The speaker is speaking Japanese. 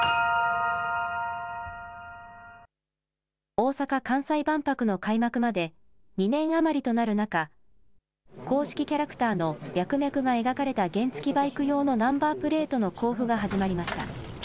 大阪・関西万博の開幕まで２年余りとなる中、公式キャラクターのミャクミャクが描かれた原付きバイク用のナンバープレートの交付が始まりました。